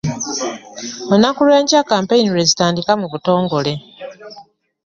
Olunaku lw'enkya kkampeyini lwezitandika mu butongole.